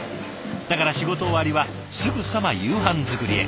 だから仕事終わりはすぐさま夕飯作りへ。